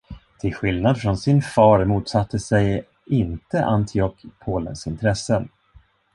Till skillnad från sin far motsatte sig inte Antioch Polens intressen.